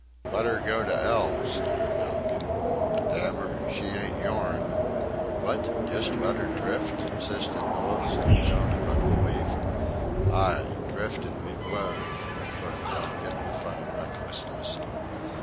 "Let 'er go to 'ell," sneered Donkin. "Damn 'er. She ain't yourn." "What? Just let her drift?" insisted Knowles in a tone of unbelief. "Aye! Drift, an' be blowed," affirmed Donkin with fine recklessness.